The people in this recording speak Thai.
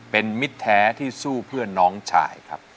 เป็นมิตรแท้ที่สู้เพื่อนน้องชายครับ